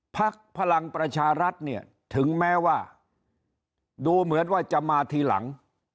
พลังประชารัฐเนี่ยถึงแม้ว่าดูเหมือนว่าจะมาทีหลัง